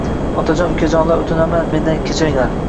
Otajon ukajonlar o‘tinaman meni kechiringlar